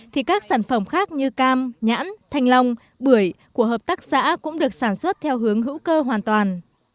thì các sản phẩm khác như cam nhãn thanh long bưởi của hợp tác xã cũng được sản xuất theo hướng hữu cơ hoàn toàn